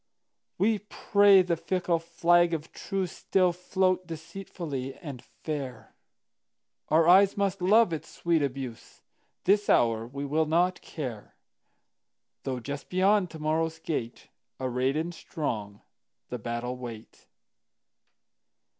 We pray the fickle flag of truceStill float deceitfully and fair; Our eyes must love its sweet abuse; This hour we will not care, Though just beyond to morrow's gate, Arrayed and strong, the battle wait.